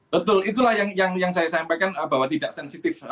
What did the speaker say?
betul itulah yang saya sampaikan bahwa tidak sensitif